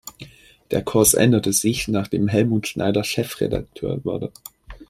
Der Kurs änderte sich nach dem Helmut Schneider Chefredakteur wurde.